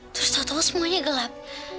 terus tau tau semuanya gelap